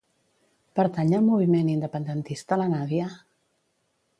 Pertany al moviment independentista la Nadia?